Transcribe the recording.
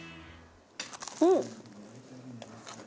うん！